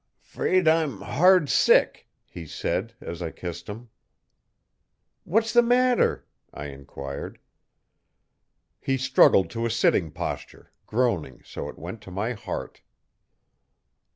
'Fraid I'm hard sick,' he said as I kissed him. 'What's the matter?' I enquired. He struggled to a sitting posture, groaning so it went to my heart.